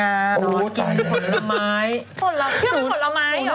อันตรีใครอิเนี่ย